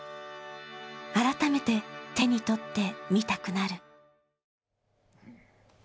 改めて手に取って見たくなる。